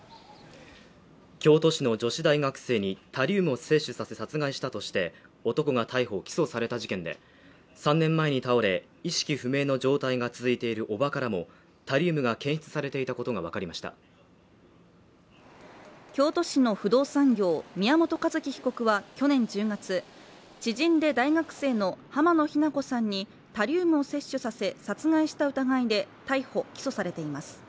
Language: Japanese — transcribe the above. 京都市の女子大学生にタリウムを摂取させ殺害したとして男が逮捕起訴された事件で、３年前に倒れ、意識不明の状態が続いている叔母からもタリウムが検出されていたことがわかりました京都市の不動産業宮本一希被告は去年１０月、知人で大学生の濱野日菜子さんにタリウムを摂取させ、殺害した疑いで逮捕起訴されています。